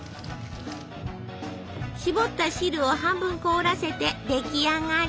しぼった汁を半分凍らせて出来上がり！